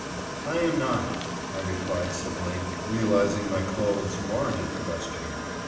"I am not," I replied civilly, realizing my clothes warranted the question.